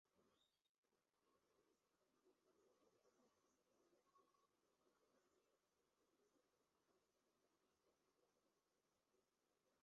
তারা এসব গান তে নতুন করে নতুন আঙ্গিকে তৈরি করেছে।